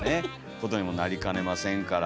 ことにもなりかねませんから。